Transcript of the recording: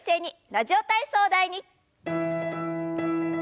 「ラジオ体操第２」。